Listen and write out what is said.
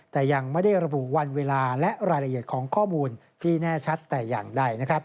แต่ยังไม่ได้ระบุวันเวลาและรายละเอียดของข้อมูลที่แน่ชัดแต่อย่างใด